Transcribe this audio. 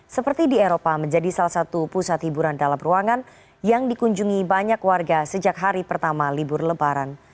seperti di eropa menjadi salah satu pusat hiburan dalam ruangan yang dikunjungi banyak warga sejak hari pertama libur lebaran